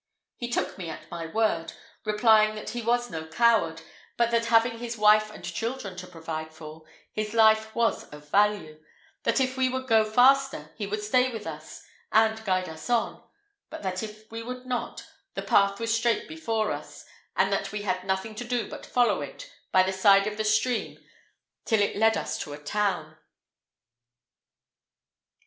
He took me at my word, replying that he was no coward, but that having his wife and children to provide for, his life was of value; that if we would go faster, he would stay with us and guide us on; but that if we would not, the path was straight before us, and that we had nothing to do but follow it by the side of the stream till it led us to a town.